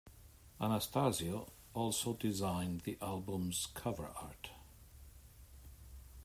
Anastasio also designed the album's cover art.